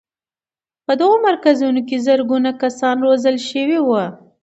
په دغو مرکزونو کې زرګونه کسان روزل شوي وو.